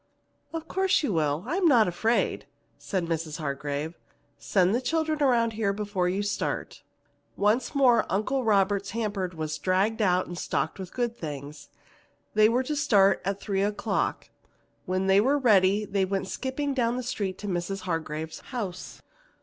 "Of course you will; I am not afraid," said Mrs. Hargrave. "Send the children around here before you start." Once more Uncle Robert's hamper was dragged out and stocked with good things. They were to start at three o'clock. When they were ready they went skipping down the street to Mrs. Hargrave's house.